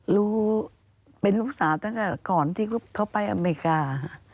รู้เป็นลูกสาวตั้งแต่ก่อนที่เขาไปอเมริกา